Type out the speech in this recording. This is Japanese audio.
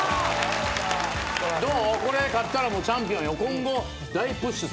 どう？